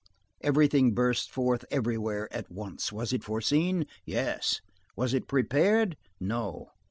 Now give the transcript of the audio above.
Everything bursts forth everywhere at once. Was it foreseen? Yes. Was it prepared? No.